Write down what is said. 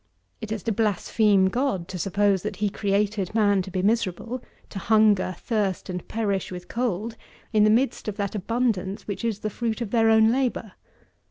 It is to blaspheme God to suppose, that he created man to be miserable, to hunger, thirst, and perish with cold, in the midst of that abundance which is the fruit of their own labour.